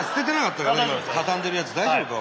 たたんでるやつ大丈夫か？